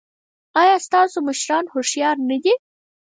ایا ستاسو مشران هوښیار نه دي؟